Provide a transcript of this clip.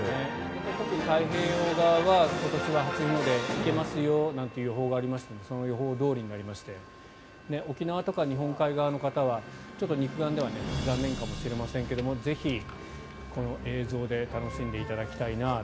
太平洋側は今年、初日の出見れますよという予報がありましたのでその予報どおりになりまして沖縄とか日本海側の方は肉眼では残念かもしれませんがぜひ、映像で楽しんでいただきたいなと。